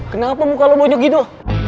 kenapa muka lo banyak gitu